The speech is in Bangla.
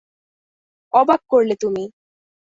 অবাক করলে তুমি।